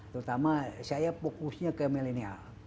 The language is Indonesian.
terutama saya fokusnya ke milenial